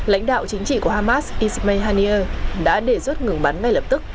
lãnh đạo chính trị của hamas ismail haniyeh đã đề xuất ngừng bắn ngay lập tức